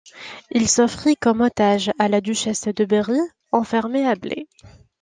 Il s'offrit comme otage à la duchesse de Berry, enfermée à Blaye.